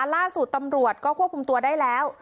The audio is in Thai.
ล่าสุดตำรวจก็ควบคุมตัวได้แล้ว